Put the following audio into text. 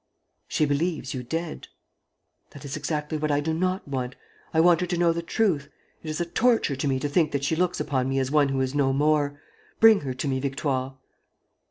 ..." "She believes you dead." "That is exactly what I do not want! I want her to know the truth. It is a torture to me to think that she looks upon me as one who is no more. Bring her to me, Victoire."